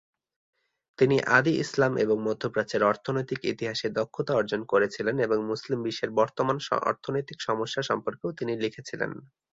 তিনি আদি ইসলাম এবং মধ্য প্রাচ্যের অর্থনৈতিক ইতিহাসে দক্ষতা অর্জন করেছিলেন এবং মুসলিম বিশ্বের বর্তমান অর্থনৈতিক সমস্যা সম্পর্কেও তিনি লিখেছিলেন।